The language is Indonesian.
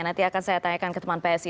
nanti akan saya tanyakan ke teman psi